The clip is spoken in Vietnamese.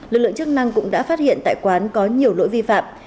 lực lượng chức năng cũng đã phát hiện tại quán có nhiều lỗi vi phạm